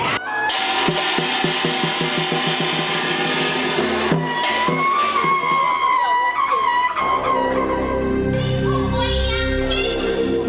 โอ้โอ้โอ้โอ้